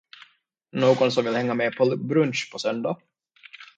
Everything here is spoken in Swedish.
Någon som vill hänga med på brunch på söndag?